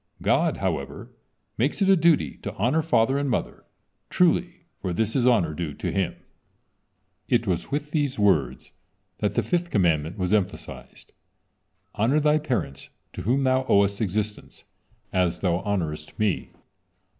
God, however, makes it a duty to honor father and mother; truly, for this is honor due to Him." It was with these words that the fifth commandment was emphasized: "Honor thy parents to whom thou owest existence, as thou honorest Me.